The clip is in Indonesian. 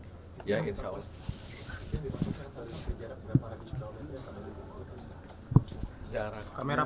jadi akan dikirimkan ke mobil pembakaran